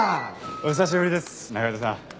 お久しぶりです仲井戸さん。